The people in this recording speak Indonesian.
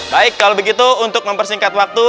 baik kalau begitu untuk mempersingkat waktu